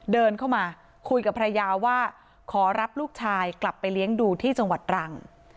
เดินเข้ามาคุยกับภรรยาว่าขอรับลูกชายกลับไปเลี้ยงดูที่จังหวัดตรัง